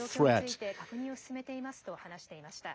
被害の状況について確認を進めていますと話していました。